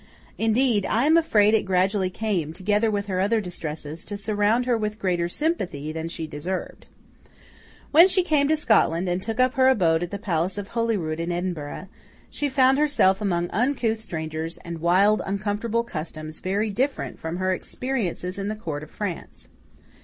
Indeed, I am afraid it gradually came, together with her other distresses, to surround her with greater sympathy than she deserved. When she came to Scotland, and took up her abode at the palace of Holyrood in Edinburgh, she found herself among uncouth strangers and wild uncomfortable customs very different from her experiences in the court of France.